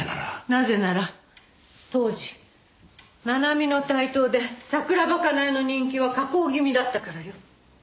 なぜなら当時七海の台頭で桜庭かなえの人気は下降気味だったからよ。